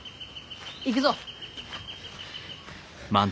行くぞ。